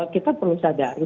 kita perlu sadari